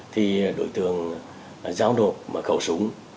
thì đối tượng ráo nộp mở khẩu súng